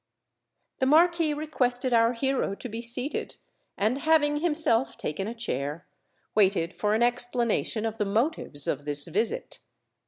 The Marquis requested our hero to be seated, and, having himself taken a chair, waited for an explanation of the motives of this visit.